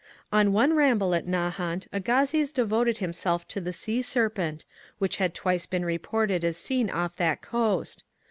On one ramble at Nahant Agassiz devoted himself to the sea serpent, which had twice been reported as seen off that coast.